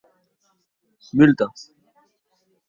Multa!